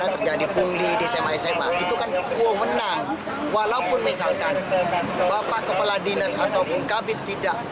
terjadi pungli di sma sma itu kan wewenang walaupun misalkan bapak kepala dinas ataupun kabit tidak